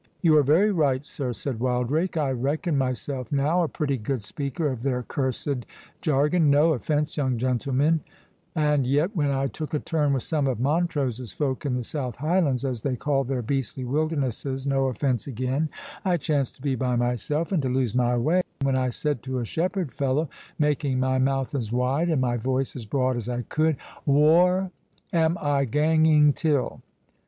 "You are very right, sir," said Wildrake. "I reckon myself, now, a pretty good speaker of their cursed jargon—no offence, young gentleman; and yet, when I took a turn with some of Montrose's folk, in the South Highlands, as they call their beastly wildernesses, (no offence again,) I chanced to be by myself, and to lose my way, when I said to a shepherd fellow, making my mouth as wide, and my voice as broad as I could, _whore am I ganging till?